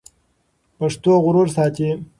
پښتو غرور ساتي.